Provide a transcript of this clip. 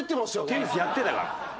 テニスやってたから。